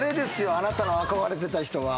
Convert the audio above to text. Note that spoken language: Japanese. あなたの憧れてた人は。